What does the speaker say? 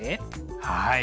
はい。